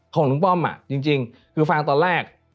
ของลุงป้อมจริงคือฟังตอนแรก